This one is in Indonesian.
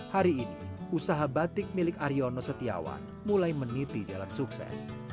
hari ini usaha batik milik aryono setiawan mulai meniti jalan sukses